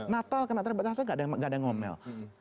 natal kena tarikh batas atas gak ada yang ngomel